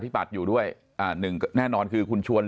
ที่ไม่มีนิวบายในการแก้ไขมาตรา๑๑๒